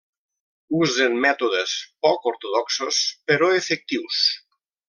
Usen mètodes poc ortodoxos però efectius.